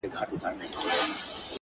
o خو هغه ليونۍ وايي ـ